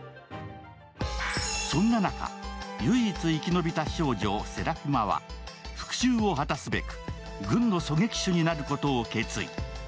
そんな中、唯一生き延びた少女・セラフィマは復讐を果たすべく軍の狙撃手になることを決意。